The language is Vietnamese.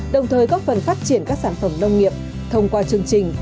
đồng thời góp phần phát triển các sản phẩm nông nghiệp thông qua chương trình